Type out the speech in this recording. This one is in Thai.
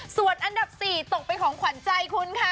ส่วนอันดับ๔ตกเป็นของขวัญใจคุณค่ะ